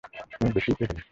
তুমি বেশিই খেয়ে ফেলছো।